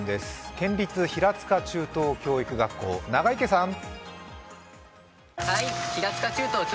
県立平塚中等教育学校、長池さん。